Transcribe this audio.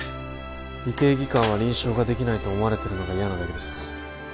医系技官は臨床ができないと思われてるのが嫌なだけです